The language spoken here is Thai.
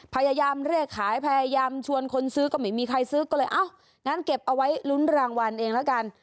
พยายามเรียกขายพยายามชวนคนซื้อก็ไม่มีใครซื้อก็เลยเอ้างั้นเก็บเอาไว้ลุ้นรางวัลเองแล้วกัน